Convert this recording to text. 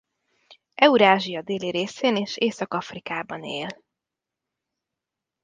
Eurázsia déli részén és Észak-Afrikában él.